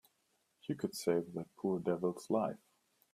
You could save that poor devil's life.